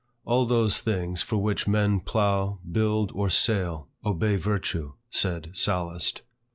"All those things for which men plough, build, or sail, obey virtue;" said Sallust.